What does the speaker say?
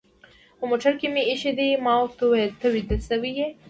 په موټر کې مې اېښي دي، ما ورته وویل: ته ویده شوې؟